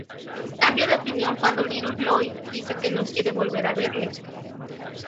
Cambia de opinión cuando Little Lloyd dice que no quiere volver a verle.